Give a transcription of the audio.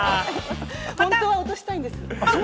本当は落としたいんですよ。